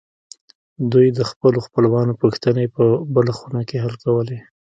دوی د خپلو خپلوانو پوښتنې په بله خونه کې حل کولې